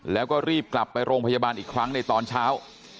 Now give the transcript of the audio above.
แล้วก็รีบกลับไปโรงพยาบาลอีกครั้งในตอนเช้า